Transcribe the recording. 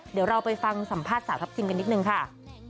เดี๋ยวเราไปฟังสัมภาษณ์สาวทัพทิมกันนิดนึงค่ะ